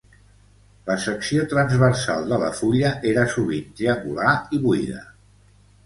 La secció transversal de la fulla era sovint triangular i buida.